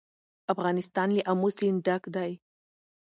افغانستان له آمو سیند ډک دی.